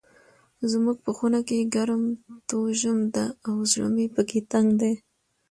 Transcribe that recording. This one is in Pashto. زموږ په خونه کې ګرم توژم ده او زړه مې پکي تنګ ده.